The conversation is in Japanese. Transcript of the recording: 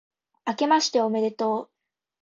あけましておめでとう